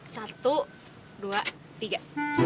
satu dua tiga